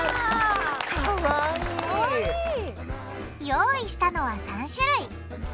用意したのは３種類。